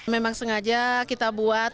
memang sengaja kita buat